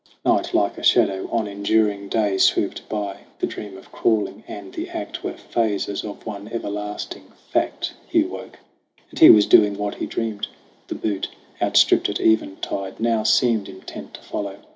Night like a shadow on enduring day Swooped by. The dream of crawling and the act Were phases of one everlasting fact : Hugh woke, and he was doing what he dreamed. The butte, outstripped at eventide, now seemed Intent to follow.